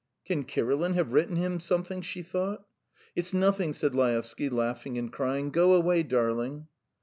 "Can Kirilin have written him something?" she thought. "It's nothing," said Laevsky, laughing and crying; "go away, darling."